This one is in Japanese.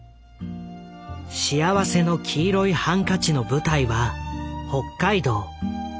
「幸福の黄色いハンカチ」の舞台は北海道。